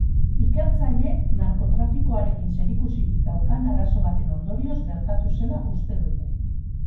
Ikertzaileek narkotrafikoarekin zerikusirik daukan arazo baten ondorioz gertatu zela uste dute.